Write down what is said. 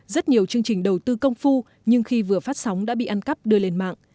rất nhiều chương trình đầu tư công phu nhưng khi vừa phát sóng đã bị ăn cắp đưa lên mạng